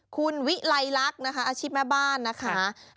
คุณวิไลรักอาชีพแม่บ้านนะคะ